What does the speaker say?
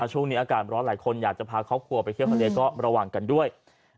ช่วงนี้อากาศร้อนหลายคนอยากจะพาครอบครัวไปเที่ยวทะเลก็ระวังกันด้วย